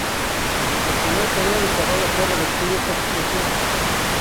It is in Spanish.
La primera tarea de Zabala fue revertir esta situación.